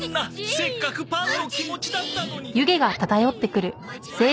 せっかくパンの気持ちだったのに。